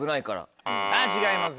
違います。